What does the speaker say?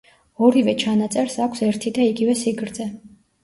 ორივე ჩანაწერს აქვს ერთი და იგივე სიგრძე.